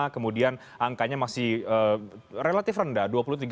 kemudian angkanya masih relatif rendah